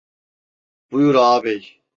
Buyur Ağabey!